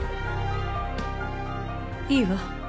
いいわ。